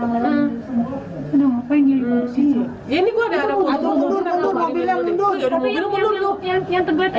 tapi yang tegak itu apa